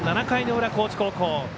７回の裏、高知高校。